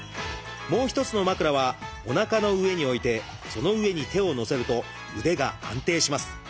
もう１つの枕はおなかのうえに置いてその上に手をのせると腕が安定します。